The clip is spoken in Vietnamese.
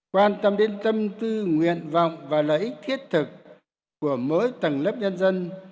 quan tâm đến tâm tư nguyện vọng và lợi ích thiết thực của mỗi tầng lớp nhân dân